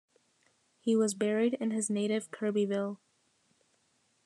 He was buried in his native Kirbyville.